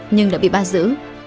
nhưng đã bị bắt giữ